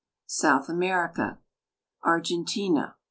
SOUTH AMERICA X RGENTiNA.